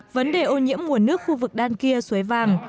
vấn đề ô nhiễm nguồn nước khu vực đan kia suối vàng